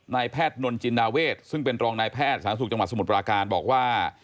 นายแพทย์นนจินดาเวทซึ่งเป็นรองนายแพทย์สาธารณสุขจังหวัดสมุทรปราการบอกว่า